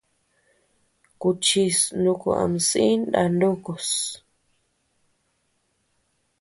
Kuchis nuku ama sï ndá nukus.